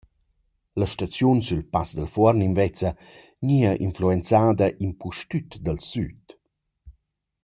La staziun sül Pass dal Fuorn invezza, gnia influenzada impustüt dal süd.